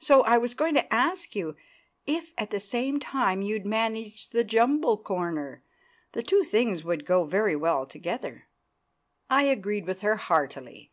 So I was going to ask you if at the same time you'd manage the jumble corner—the two things would go very well together." I agreed with her heartily.